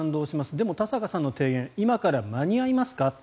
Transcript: でも、田坂さんの提言は今から間に合いますか。